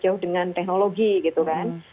jauh dengan teknologi gitu kan